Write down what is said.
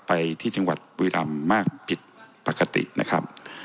ไปที่จังหวัดบุรีรำมากผิดปกตินะครับ